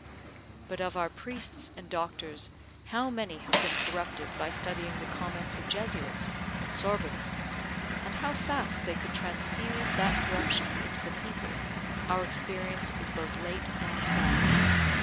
But of our priests and doctors how many have been corrupted by studying the comments of Jesuits and Sorbonists, and how fast they could transfuse that corruption into the people, our experience is both late and sad.